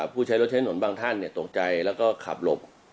ผู้ใช้รถใช้ถนนบางท่านตกใจแล้วก็ขับหลบ